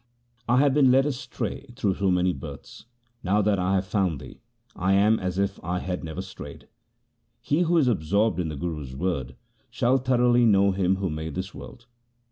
I have been led astray through so many births ; now that I have found Thee / am as if I had never strayed. He who is absorbed in the Guru's word, shall thoroughly know Him who made this world.